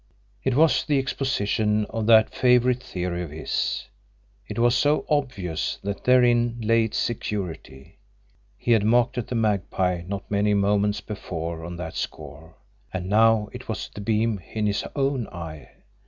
It was the exposition of that favourite theory of his it was so obvious that therein lay its security. He had mocked at the Magpie not many moments before on that score and now it was the beam in his own eye!